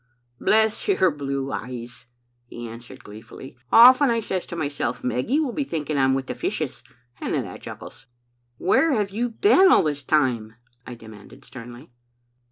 "* Bless your blue eyes,' he answered gleefully; 'often I says to myself, " Meggy will be thinking I'm with the fishes," and then I chuckles.* " 'Where have you been all this time?* I demanded sternly.